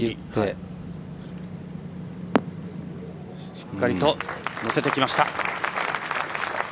しっかりと乗せてきました。